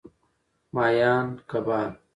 ماهیان √ کبان